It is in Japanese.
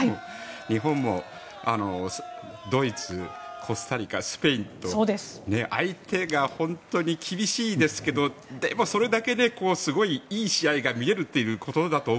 日本もドイツ、コスタリカスペインと相手が本当に厳しいですけどでもそれだけですごいいい試合が見れるっていうことだと